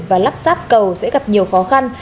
và lắp sáp cầu sẽ gặp nhiều khó khăn